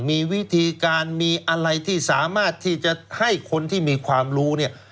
มีวิธีการมีอะไรที่สามารถที่จะให้คนที่มีความรู้เนี่ย